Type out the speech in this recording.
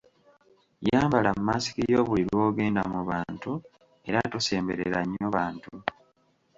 Yambala masiki yo buli lw’ogenda mu bantu era tosemberera nnyo bantu.